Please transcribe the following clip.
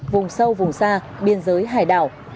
vùng sâu vùng xa biên giới hải đảo